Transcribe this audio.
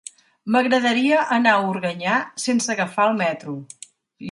M'agradaria anar a Organyà sense agafar el metro.